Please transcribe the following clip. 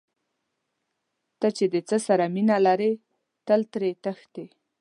ته چې د څه سره مینه لرې تل ترې تښتې.